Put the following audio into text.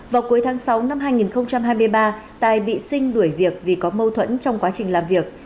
vào cuối tháng sáu năm hai nghìn hai mươi ba tài bị sinh đuổi việc vì có mâu thuẫn trong quá trình làm việc